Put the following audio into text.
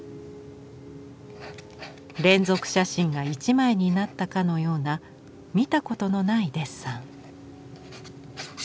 連続写真が一枚になったかのような見たことのないデッサン。